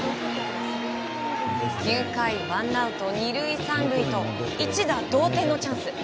９回、ワンアウト２塁３塁と一打同点のチャンス。